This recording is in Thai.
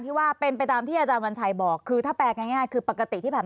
ว่าเป็นไปตามที่อาจารย์วันชัยบอกคือถ้าแปลง่ายคือปกติที่ผ่านมา